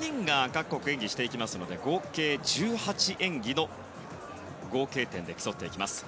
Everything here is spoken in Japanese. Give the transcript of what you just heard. ただ、まだまだそれぞれの６種目を３人が各国、演技していきますので合計１８演技の合計点で競っていきます。